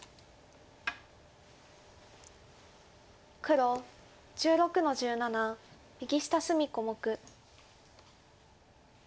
黒１６の十七右下隅小目。